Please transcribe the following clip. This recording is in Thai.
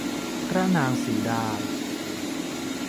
พระนางสีดา